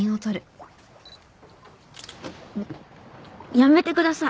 やめてください。